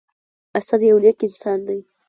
اسد يو نیک انسان دی.